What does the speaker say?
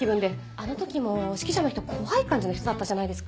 あの時の指揮者の人怖い感じの人だったじゃないですか。